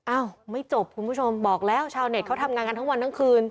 อ้าวไม่จบคุณผู้ชมบอกแล้วชาวเน็ตเขาทำงานกันทั้งวันทั้งคืน